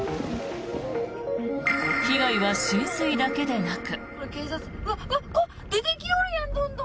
被害は浸水だけでなく。